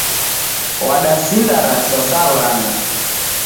Wadasinda rashwa sa w'ana.